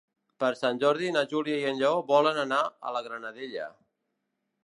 Per Sant Jordi na Júlia i en Lleó volen anar a la Granadella.